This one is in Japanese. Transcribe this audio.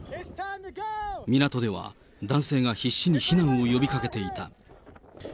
港では、男性が必死に避難を呼びかけていた。